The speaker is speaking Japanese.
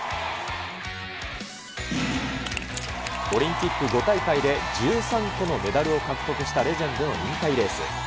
オリンピック５大会で１３個のメダルを獲得したレジェンドの引退レース。